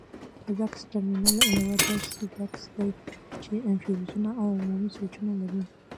د بکس ترمینل یوه داسې بکس ده چې فیوزونه او عمومي سویچونه لري.